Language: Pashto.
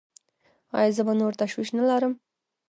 ایا زه به نور تشویش نلرم؟